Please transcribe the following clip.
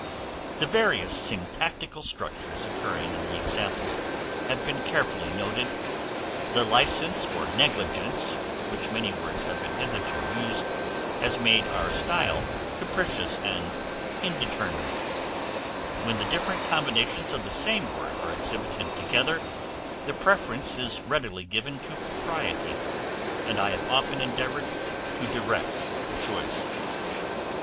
The various syntactical structures occurring in the examples have been carefully noted; the license or negligence with which many words have been hitherto used, has made our style capricious and indeterminate; when the different combinations of the same word are exhibited together, the preference is readily given to propriety, and I have often endeavored to direct the choice.